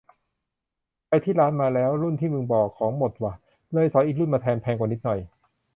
ไปที่ร้านมาแล้ว รุ่นที่มึงบอกของหมดว่ะ เลยสอยอีกรุ่นมาแทน แพงกว่านิดหน่อย